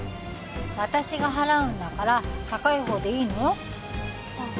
私が払うんだから高い方でいいのよああ